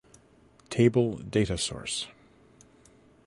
Table Data Source